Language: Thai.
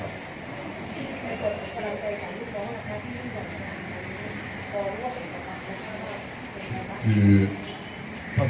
ครับครับ